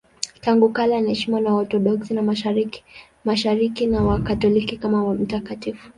Tangu kale anaheshimiwa na Waorthodoksi wa Mashariki na Wakatoliki kama mtakatifu.